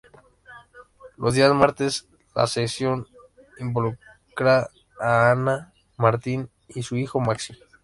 Los días martes, la sesión involucra a Ana, Martín y su hijo Maxi.